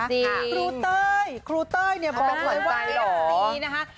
ครูเต้ยครูเต้ยเนี่ยบอกเลยว่าเพลงนี้นะคะ